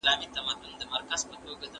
چي سړی په شته من کیږي هغه مینه ده د خلکو